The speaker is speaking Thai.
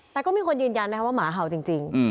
แต่ก็มีคนยืนยันนะคะว่าหมาเห่าจริง